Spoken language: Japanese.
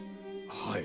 はい。